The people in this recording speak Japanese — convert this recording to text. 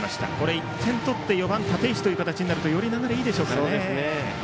１点取って４番、立石という形でより流れはいいでしょうからね。